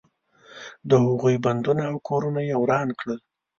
د هغوی بندونه او کورونه یې وران کړل.